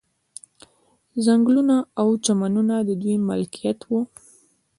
ځنګلونه او چمنونه د دوی ملکیت وو.